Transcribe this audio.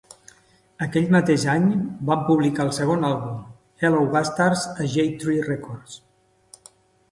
Aquell mateix any, van publicar el segon àlbum, "Hello Bastards" a Jade Tree Records.